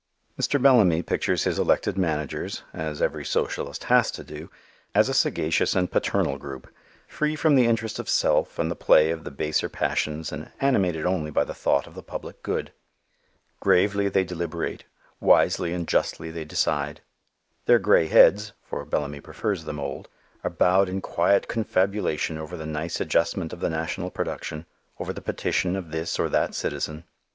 Mr. Bellamy pictures his elected managers, as every socialist has to do, as a sagacious and paternal group, free from the interest of self and the play of the baser passions and animated only by the thought of the public good. Gravely they deliberate; wisely and justly they decide. Their gray heads for Bellamy prefers them old are bowed in quiet confabulation over the nice adjustment of the national production, over the petition of this or that citizen.